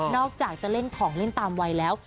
อกจากจะเล่นของเล่นตามวัยแล้ว